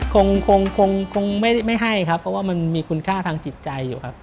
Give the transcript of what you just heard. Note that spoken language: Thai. คงคงไม่ให้ครับเพราะว่ามันมีคุณค่าทางจิตใจอยู่ครับ